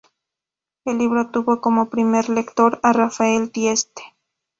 El libro tuvo como primer lector a Rafael Dieste.